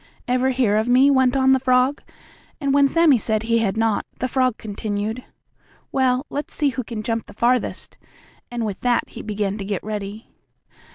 "Ever hear of me?" went on the frog, and when Sammie said he had not, the frog continued: "Well, let's see who can jump the farthest," and with that he began to get ready.